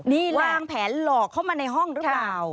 นี่วางแผนหลอกเข้ามาในห้องหรือเปล่า